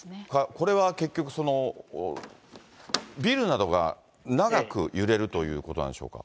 これは結局、ビルなどが長く揺れるということなんでしょうか。